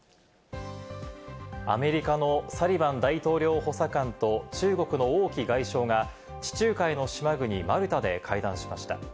アメリカのサリバン大統領補佐官と中国のオウ・キ外相が地中海の島国マルタで会談しました。